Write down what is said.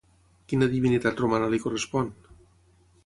Quina divinitat romana li correspon?